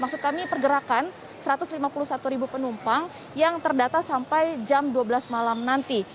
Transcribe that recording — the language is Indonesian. maksud kami pergerakan satu ratus lima puluh satu ribu penumpang yang terdata sampai jam dua belas malam nanti